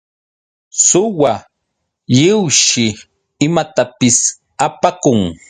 Suwa lliwshi imatapis apakun.